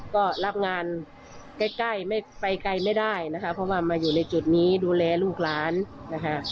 ก็รับงานใกล้ไม่ไปไกลไม่ได้นะคะเพราะว่ามาอยู่ในจุดนี้ดูแลลูกหลานนะคะ